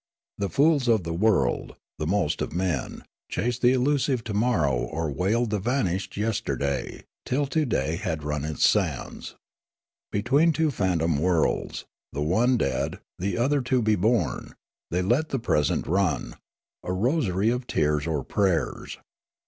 The fools of the world, the most of men, chased the elusive to morrow or wailed the vanished yesterday, till to day had run its sands. Between two phantom worlds, the one dead, the other to be born, they let the present run, a rosary of tears or prayers.